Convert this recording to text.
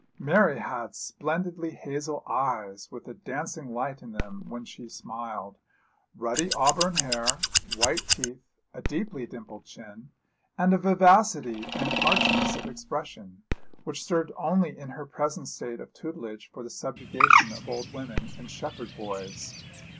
Mary had splendid hazel eyes, with a dancing light in them when she smiled, ruddy auburn hair, white teeth, a deeply dimpled chin, and a vivacity and archness of expression, which served only in her present state of tutelage for the subjugation of old women and shepherd boys.